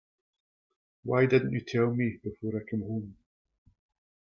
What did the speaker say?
Why didn't you tell me before I came home?